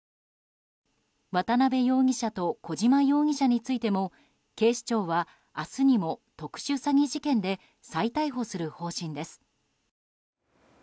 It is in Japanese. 渡邉容疑者と小島容疑者についても警視庁は明日にも特殊詐欺事件で再逮捕する方針です。